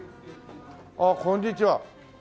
あっこんにちは。